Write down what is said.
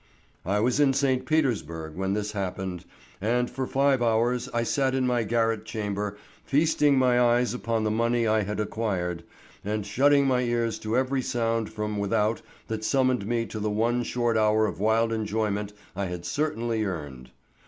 I was in St. Petersburg when this happened, and for five hours I sat in my garret chamber feasting my eyes upon the money I had acquired, and shutting my ears to every sound from without that summoned me to the one short hour of wild enjoyment I had certainly earned.